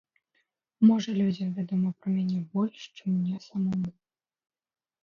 Можа, людзям вядома пра мяне больш, чым мне самому.